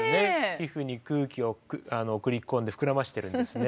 皮膚に空気を送り込んで膨らましてるんですね。